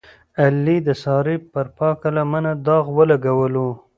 علي د سارې پر پاکه لمنه داغ ولګولو.